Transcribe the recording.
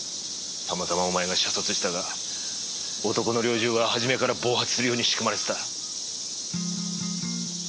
たまたまお前が射殺したが男の猟銃ははじめから暴発するように仕組まれてた。